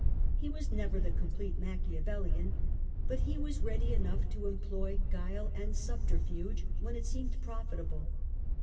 He was never the complete Machiavellian, but he was ready enough to employ guile and subterfuge when it seemed profitable.